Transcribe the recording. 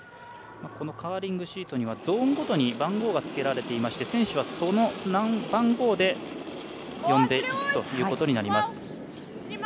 カーリングシートにはゾーンごとに番号がつけられていまして選手はその番号で呼んでいくということになります。